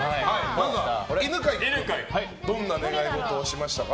まずは犬飼君はどんな願い事をしましたか？